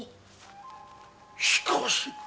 しかし。